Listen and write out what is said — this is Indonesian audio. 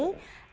ya terima kasih